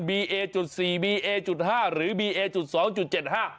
ีเอจุดสี่บีเอจุดห้าหรือบีเอจุดสองจุดเจ็ดห้า